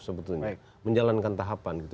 sebetulnya menjalankan tahapan